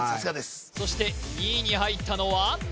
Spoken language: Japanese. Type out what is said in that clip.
そして２位に入ったのは？